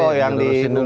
hasto menyampaikan bahwa